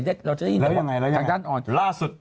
แล้วยังไงแล้วยังไง